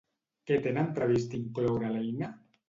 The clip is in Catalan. Què tenen previst incloure a l'eina?